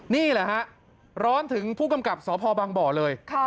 นี่แหละฮะร้อนถึงภูมิกำกับสคบศค